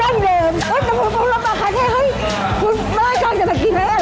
ถุงลมปลาคาเท่เค้าคุณบ้านกลางจะมากินให้อะไร